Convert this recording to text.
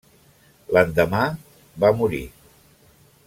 L'endemà va morir.